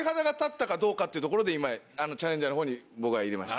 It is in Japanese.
というところで今チャレンジャーのほうに僕は入れました。